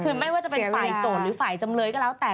คือไม่ว่าจะเป็นฝ่ายโจทย์หรือฝ่ายจำเลยก็แล้วแต่